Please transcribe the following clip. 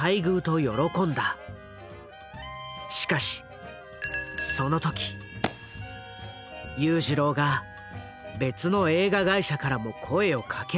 しかしその時裕次郎が「別の映画会社からも声をかけられている」と口を挟んだ。